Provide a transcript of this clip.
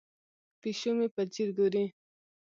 پیشو مې په ځیر ګوري.